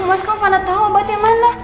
mas kau pada tau obatnya mana